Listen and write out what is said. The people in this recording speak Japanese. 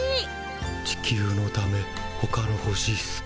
地球のためほかの星すて。